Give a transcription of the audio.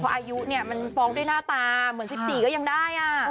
เพราะอายุเนี่ยมันฟ้องด้วยหน้าตาเหมือน๑๔ก็ยังได้